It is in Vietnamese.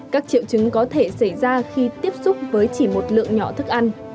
các triệu chứng có thể xảy ra khi tiếp xúc với chỉ một lượng nhỏ thức ăn